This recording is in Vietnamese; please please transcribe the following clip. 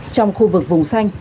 trong khu vực vùng xanh